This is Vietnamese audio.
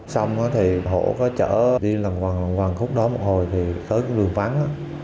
xong thì hổ có chở đi là hoàng khúc đó một hồi thì tới cái đường vắng